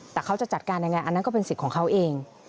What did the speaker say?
แต่เขาจะจัดการยังไงอันนั้นก็เป็นสิทธิ์ของเขาเอง